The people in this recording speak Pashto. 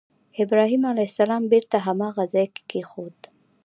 ابراهیم علیه السلام بېرته هماغه ځای کې کېښود.